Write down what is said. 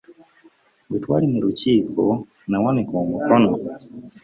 Bwe twali mu lukiiko nawanika omukono.